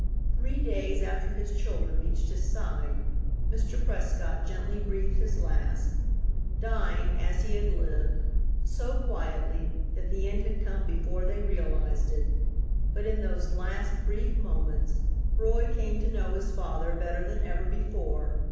Three days after his children reached his side Mr. Prescott gently breathed his last, dying, as he had lived, so quietly, that the end had come before they realized it. But in those last brief moments Roy came to know his father better than ever before.